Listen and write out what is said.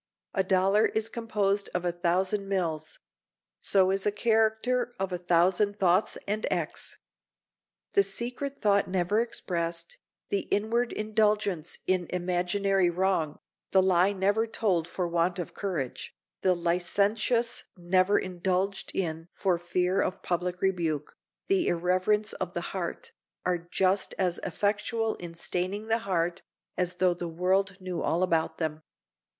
A dollar is composed of a thousand mills; so is a character of a thousand thoughts and acts. The secret thought never expressed, the inward indulgence in imaginary wrong, the lie never told for want of courage, the licentiousness never indulged in for fear of public rebuke, the irreverence of the heart, are just as effectual in staining the heart as though the world knew all about them.